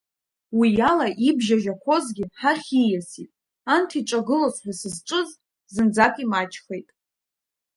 Уи ала ибжьажьақәозгьы ҳахь ииасит, анҭ, иҿагылоз ҳәа сызҿыз, зынӡак имаҷхеит.